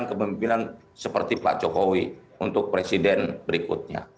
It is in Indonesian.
kemimpinan seperti pak jokowi untuk presiden berikutnya